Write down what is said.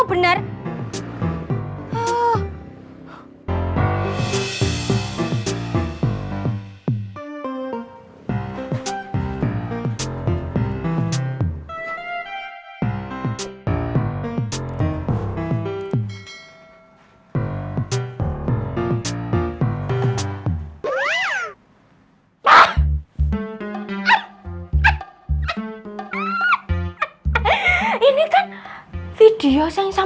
maksudmu apa komentar komentar